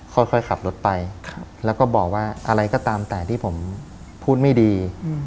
ค่อยขับรถไปแล้วก็บอกว่าอะไรก็ตามแต่ที่ผมพูดไม่ดี